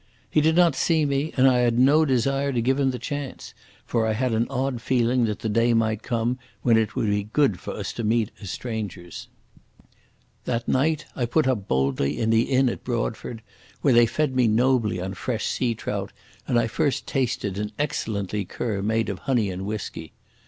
He did not see me, and I had no desire to give him the chance, for I had an odd feeling that the day might come when it would be good for us to meet as strangers. That night I put up boldly in the inn at Broadford, where they fed me nobly on fresh sea trout and I first tasted an excellent liqueur made of honey and whisky.